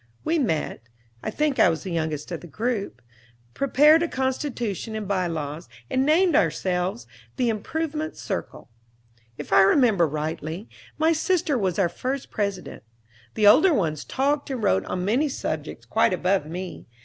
We met, I think I was the youngest of the group, prepared a Constitution and By Laws, and named ourselves "The Improvement Circle." If I remember rightly, my sister was our first president. The older ones talked and wrote on many subjects quite above me.